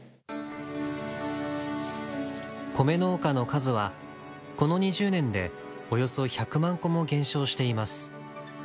米農家の数はこの２０年でおよそ１００万戸も減少しています。